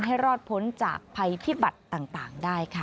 ให้รอดพ้นจากภัยพิบัติต่างได้ค่ะ